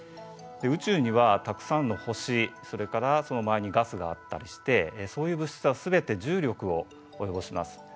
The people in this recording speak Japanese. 宇宙にはたくさんの星それからその周りにガスがあったりしてそういう物質はすべて重力を及ぼします。